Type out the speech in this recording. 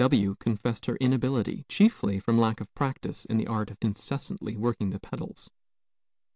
W confessed her inability, chiefly from lack of practice in the art of incessantly working the pedals.